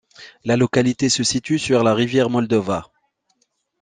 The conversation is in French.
La localité se situe sur la rivière Moldova.